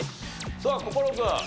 さあ心君。